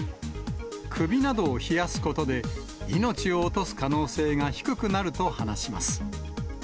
首などを冷やすことで、命を落とす可能性が低くなると話します。